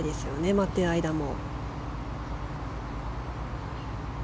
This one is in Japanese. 待っている間も。